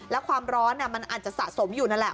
แล้วความร้อนมันอาจจะสะสมอยู่นั่นแหละ